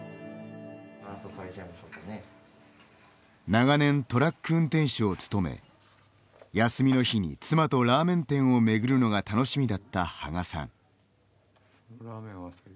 長年、トラック運転手を務め休みの日に妻とラーメン店をめぐるのが楽しみだった羽賀さん。